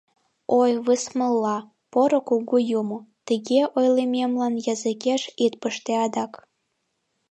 Ой, высмылла, Поро Кугу Юмо, тыге ойлымемлан языкеш ит пыште адак.